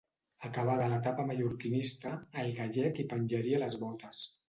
Acabada l'etapa mallorquinista, el gallec hi penjaria les botes.